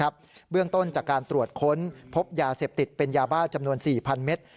เบื้องต้นจากการตรวจค้นพบยาเสพติดเป็นยาบ้าจำนวน๔๐๐เมตร